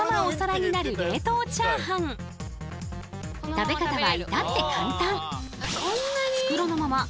食べ方は至って簡単！